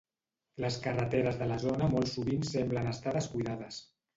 Les carreteres de la zona molt sovint semblen estan descuidades.